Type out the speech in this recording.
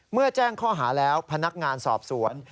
แจ้งข้อหาแล้วพนักงานสอบสวน